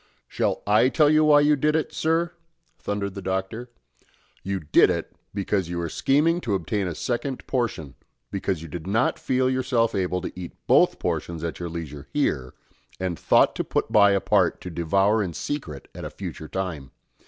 "Shall I tell you why you did it, sir?" thundered the Doctor. "You did it, because you were scheming to obtain a second portion because you did not feel yourself able to eat both portions at your leisure here, and thought to put by a part to devour in secret at a future time.